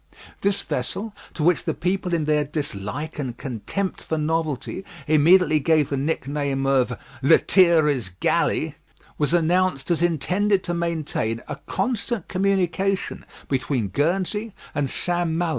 This vessel, to which the people in their dislike and contempt for novelty immediately gave the nickname of "Lethierry's Galley," was announced as intended to maintain a constant communication between Guernsey and St. Malo.